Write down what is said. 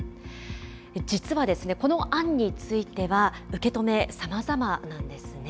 実はこの案については、受け止めさまざまなんですね。